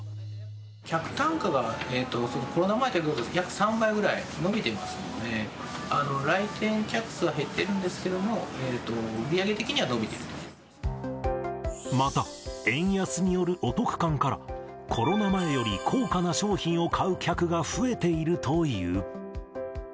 客単価がコロナ前と比較して、約３倍ぐらい伸びていますので、来店客数は減ってるんですけども、また、円安によるお得感から、コロナ前より高価な商品を買う客が増えているという。